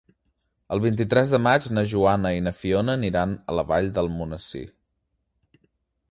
El vint-i-tres de maig na Joana i na Fiona aniran a la Vall d'Almonesir.